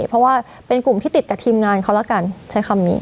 เพราะว่าเป็นกลุ่มที่ติดกับทีมงานเขาแล้วกันใช้คำนี้